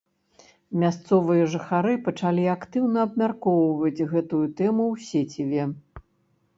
Мясцовыя жыхары пачалі актыўна абмяркоўваць гэтую тэму ў сеціве.